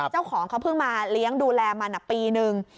เจ้าของเขาเพิ่งมาเลี้ยงดูแลมันปีนึง